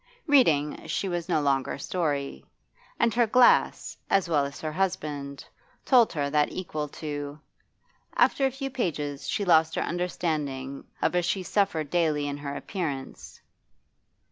Reading she was no longer story. And her glass as well as her husband told her that equal to; after a few pages she lost her understanding of a she suffered daily in her appearance.